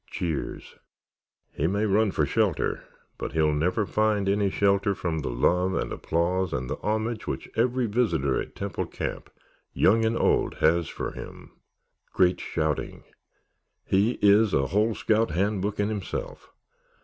(Cheers) He may run for shelter, but he will never find any shelter from the love and the applause and the homage which every visitor at Temple Camp, young and old, has for him! (Great shouting.) He is a whole scout handbook in himself.